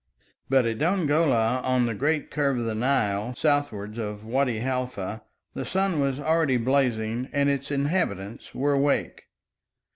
But at Dongola, on the great curve of the Nile southwards of Wadi Halfa, the sun was already blazing and its inhabitants were awake.